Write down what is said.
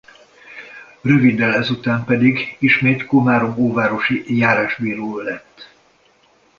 Röviddel ezután pedig ismét komárom-óvárosi járásbíró lett.